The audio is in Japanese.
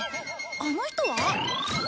あの人は？